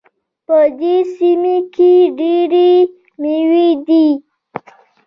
په دې سیمه کې ډېري میوې دي